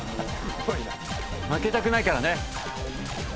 負けたくないからね。